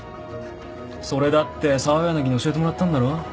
それだって澤柳に教えてもらったんだろ？